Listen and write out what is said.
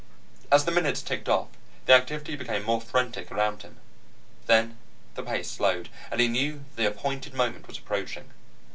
As the minutes ticked off, the activity became more frenetic around him. Then the pace slowed, and he knew the appointed moment was approaching.